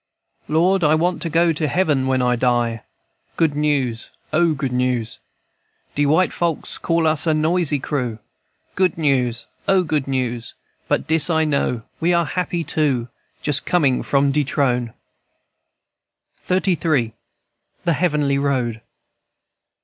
"Lord, I want to go to heaven when I die, Good news, O, good news! &c. "De white folks call us a noisy crew, Good news, O, good news! But dis I know, we are happy too, Just comin' from de trone." XXXIII. THE HEAVENLY ROAD.